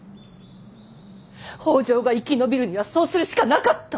北条が生き延びるにはそうするしかなかった。